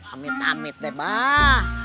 amit amit deh mbak